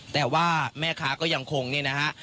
แต่ว่าแม่ค้าก็ยังคงนี่นะฮะ